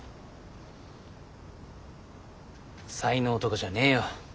才能とかじゃねえよ。